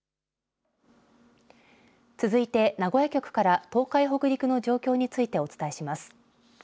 続いて名古屋局から東海、北陸の状況についてお伝えします。